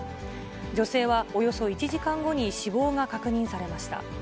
女性はおよそ１時間後に死亡が確認されました。